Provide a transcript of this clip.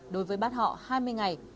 đối với bắt họ hai mươi ngày